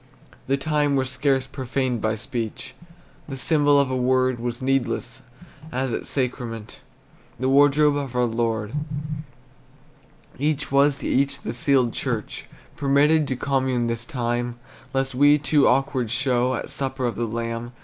The time was scarce profaned by speech; The symbol of a word Was needless, as at sacrament The wardrobe of our Lord. Each was to each the sealed church, Permitted to commune this time, Lest we too awkward show At supper of the Lamb.